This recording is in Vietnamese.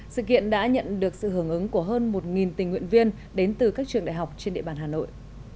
sự kiện đã nhận được sự hưởng ứng của hơn một tình nguyện viên đến từ các trường đại học trên địa bàn hà nội